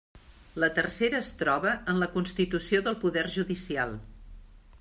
La tercera es troba en la constitució del poder judicial.